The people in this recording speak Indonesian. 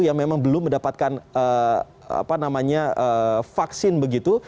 yang memang belum mendapatkan vaksin begitu